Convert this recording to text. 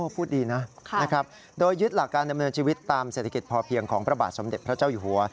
พูดดีนะโดยยึดหลักการดำเนินชีวิตตามเศรษฐกิจพอเพียงของพระบาทสมเด็จพระเจ้าอยู่หัว